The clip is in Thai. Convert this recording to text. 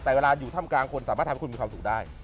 แต่เวลาอยู่ถ้ำกลางคนสามารถทำให้คุณมีความสุขได้